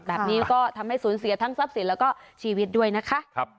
แบบนี้ก็ทำให้สูญเสียทั้งทรัพย์สินแล้วก็ชีวิตด้วยนะคะ